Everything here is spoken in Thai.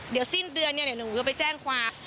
เดี๋ยวสิ้นเดือนเนี่ยเดี๋ยวหนูจะไปแจ้งความ